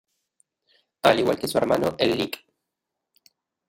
Al igual que su hermano, el lic.